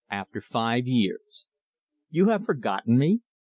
AFTER FIVE YEARS "You have forgotten me?"